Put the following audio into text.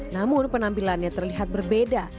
namun penampilannya terlihat berbeda